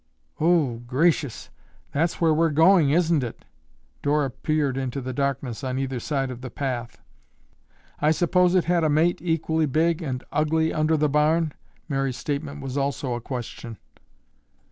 "Oh oo gracious! That's where we're going, isn't it?" Dora peered into the darkness on either side of the path. "I suppose it had a mate equally big and ugly under the barn?" Mary's statement was also a question.